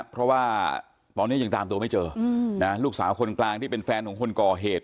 เพราะว่าตอนนี้ยังตามตัวไม่เจอลูกสาวคนกลางที่เป็นแฟนของคนก่อเหตุ